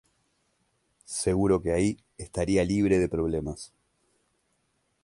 Seguro de que ahí estaría libre de problemas.